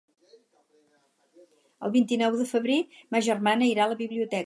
El vint-i-nou de febrer ma germana irà a la biblioteca.